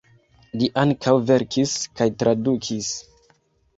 Li ankaŭ verkis kaj tradukis.